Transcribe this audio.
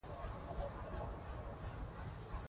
موږ باید شکر وباسو.